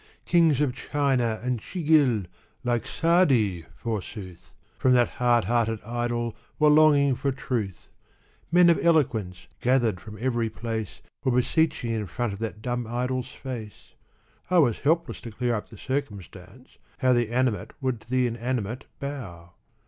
Kings of China and Chighil, like Sa'di, forsooth ! From that hard hearted idol \*^ere longing for truth Men of eloquence, gathered from every place, Were beseeching in front of that dumb itiol's face I was helpless to clear up the circumstancei how The Animate should to the inanimate bow?